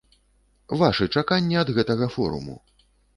Вашы чаканні ад гэтага форуму?